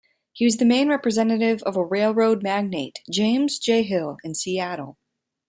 He was the main representative of railroad magnate James J. Hill in Seattle.